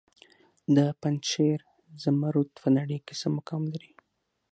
د پنجشیر زمرد په نړۍ کې څه مقام لري؟